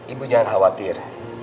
ibu jangan khawatir